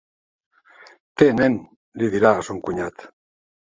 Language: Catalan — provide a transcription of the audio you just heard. Té nen —li dirà a son cunyat—.